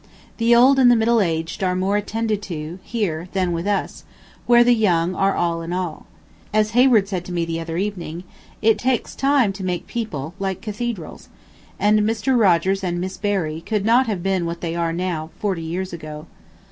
The old and the middle aged are more attended to here than with us, where the young are all in all. As Hayward said to me the other evening, "it takes time to make people, like cathedrals," and Mr. Rogers and Miss Berry could not have been what they are now, forty years ago.